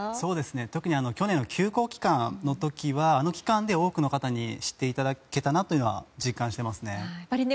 特に去年休校期間の時はあの期間で多くの方に知っていただけたなというのは実感していますね。